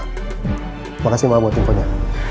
terima kasih ma buat invonya